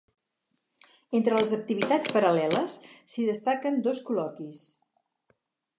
Entre les activitats paral·leles, s’hi destaquen dos col·loquis.